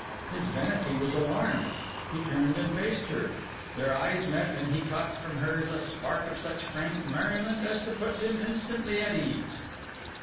His vanity was alarmed; he turned and faced her; their eyes met; and he caught from hers a spark of such frank merriment as put him instantly at ease.